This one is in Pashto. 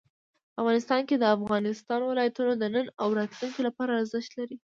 افغانستان کې د افغانستان ولايتونه د نن او راتلونکي لپاره ارزښت لري.